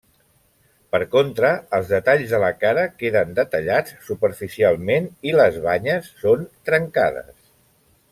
Per contra, els detalls de la cara queden detallats superficialment i les banyes són trencades.